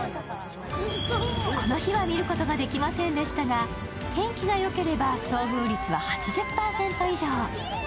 この日は見ることができませんでしたが天気がよければ遭遇率は８０％以上。